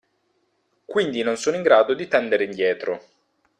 Quindi non sono in grado di tendere indietro.